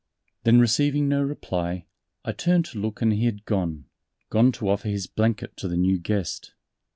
Then receiving no reply, I turned to look and he had gone gone to offer his blanket to the new guest.